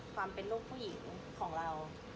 ความเป็นลูกผู้หญิงของเรา